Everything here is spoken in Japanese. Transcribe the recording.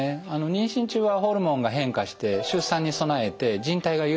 妊娠中はホルモンが変化して出産に備えてじん帯が緩んできます。